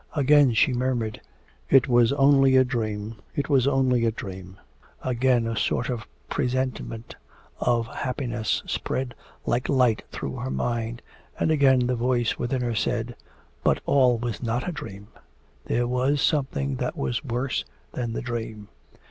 Again she murmured, 'It was only a dream, it was only a dream;' again a sort of presentiment of happiness spread like light through her mind, and again the voice within her said, 'But all was not a dream there was something that was worse than the dream.'